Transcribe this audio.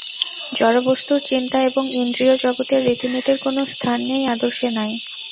জড়বস্তুর চিন্তা এবং ইন্দ্রিয়-জগতের রীতিনীতির কোন স্থান সেই আদর্শে নাই।